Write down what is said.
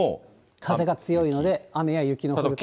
風が強いので、雨や雪の所が。